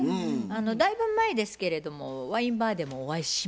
だいぶ前ですけれどもワインバーでもお会いしましたよね？